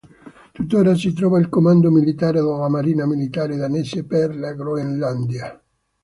Tuttora si trova il comando militare della Marina militare danese per la Groenlandia.